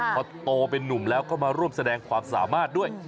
พอโตเป็นนุ่มแล้วก็มาร่วมแสดงความสามารถด้วย